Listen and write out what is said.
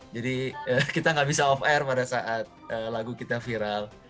jadi kita enggak bisa off air pada saat lagu kita viral